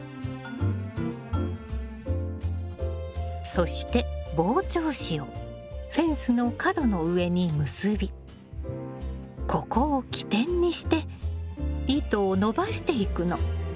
そして防鳥糸をフェンスの角の上に結びここを起点にして糸をのばしていくの。